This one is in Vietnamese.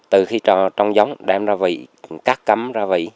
từ khi trông giống đem ra vị cắt cắm ra vị